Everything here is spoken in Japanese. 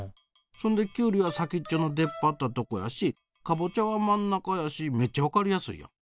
そんできゅうりは先っちょの出っ張ったとこやしカボチャは真ん中やしめっちゃ分かりやすいやん。